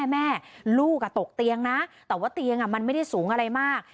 แม่ลูกตกเตียงนะแต่ว่าเตียงมันไม่ได้สูงอะไรมาก